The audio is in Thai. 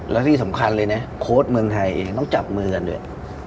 แล้วที่สำคัญเลยนะโค้ดเมืองไทยเองต้องจับมือกันด้วย